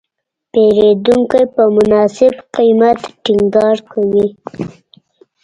پیرودونکی په مناسب قیمت ټینګار کوي.